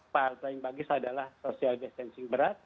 paling bagus adalah social distancing berat